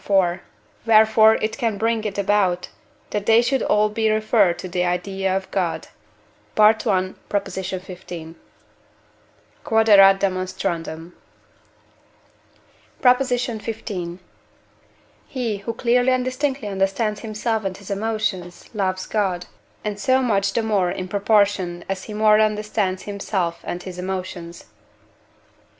wherefore it can bring it about, that they should all be referred to the idea of God (I. xv.). Q.E.D. PROP. XV. He who clearly and distinctly understands himself and his emotions loves God, and so much the more in proportion as he more understands himself and his emotions.